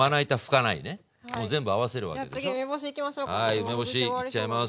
はい梅干しいっちゃいます。